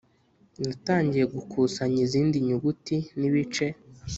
natangiye gukusanya izindi nyuguti n'ibice